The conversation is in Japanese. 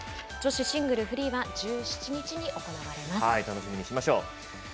女子シングルフリーは楽しみにしましょう。